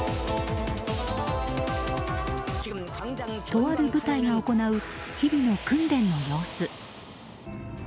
とある部隊が行う日々の訓練の様子。